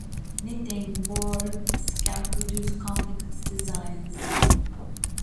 Knitting boards can produce complex designs.